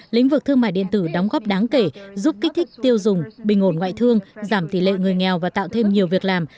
lĩnh vực thương mại điện tử đóng góp đáng kể giúp kích thích tiêu dùng bình ổn ngoại thương giảm tỷ lệ người nghèo và tạo thêm nhiều việc làm